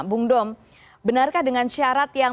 bung dom benarkah dengan syarat yang